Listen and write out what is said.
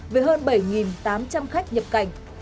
với hơn bảy tám trăm linh khách nhập cảnh